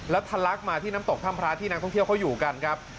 แล้วทะลักมาที่น้ำตกถ้ำพระที่นักท่องเที่ยวเขาอยู่กันครับ